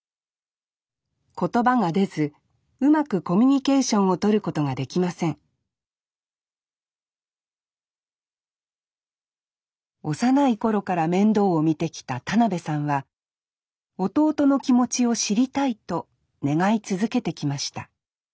言葉が出ずうまくコミュニケーションをとることができません幼い頃から面倒を見てきた田邊さんは弟の気持ちを知りたいと願い続けてきました